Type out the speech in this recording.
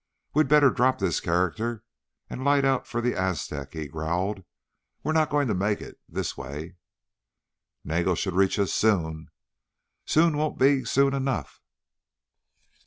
"We'd better drop this character and light out for the Aztec," he growled. "We're not going to make it this way." "Nagel should reach us soon." "Soon won't be soon enough."